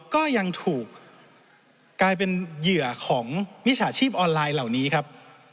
ก็ยังถูกกลายเป็นเหยื่อของมิจฉาชีพออนไลน์เหล่านี้ครับ